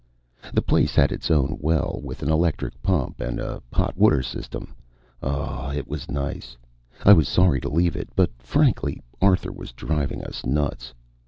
The place had its own well, with an electric pump and a hot water system oh, it was nice. I was sorry to leave but, frankly, Arthur was driving us nuts.